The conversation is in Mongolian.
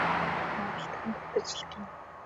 Авгайчуудаас болж маргалдах л дутаж гэнэ.